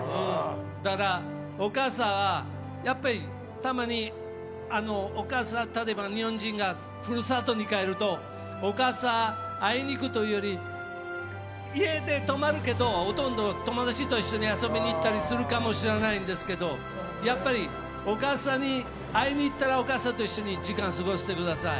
だから、お母さんはやっぱりたまに例えば日本人が故郷に帰るとお母さんに会いに行くというより家で泊まるけどほとんど友達と一緒に遊びに行ったりするかもしれないんですけどやっぱり、お母さんに会いに行ったらお母さんと一緒に時間を過ごしてください。